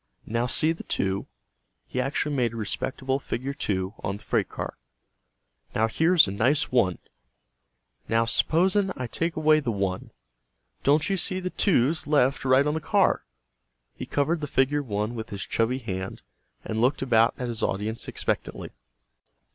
"Now see the 2?" He actually made a respectable figure 2 on the freight car. "Now, here's a nice 1. Now, s'posen I take away the 1, don't you see the 2's left right on the car?" He covered the figure 1 with his chubby hand and looked about at his audience expectantly.